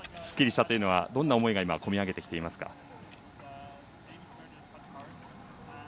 すっきりしたというのはどんな思いが今込み上げてきていますか？